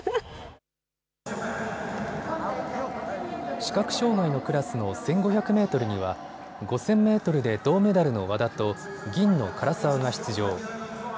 視覚障害のクラスの１５００メートルには５０００メートルで銅メダルの和田と銀の唐澤が出場。